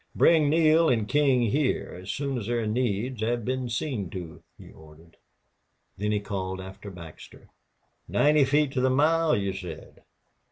"Bring Neale and King here as soon as their needs have been seen to," he ordered. Then he called after Baxter, "Ninety feet to the mile, you said?"